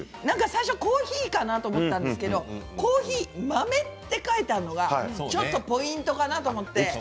何か最初コーヒーかなと思ったんですけど「コーヒー豆」って書いてあるのがちょっとポイントかなと思って。